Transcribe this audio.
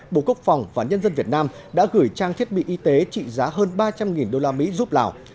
bộ quốc phòng và nhân dân việt nam đã gửi trang thiết bị y tế trị giá hơn ba trăm linh usd giúp lào